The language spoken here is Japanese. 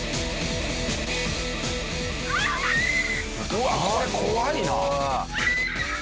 うわっこれ怖いな。